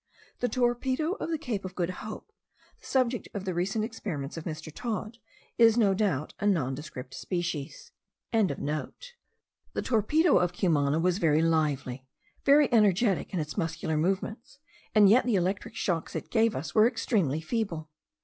The torpedo of the Cape of Good Hope, the subject of the recent experiments of Mr. Todd, is, no doubt, a nondescript species.) The torpedo of Cumana was very lively, very energetic in its muscular movements, and yet the electric shocks it gave us were extremely feeble.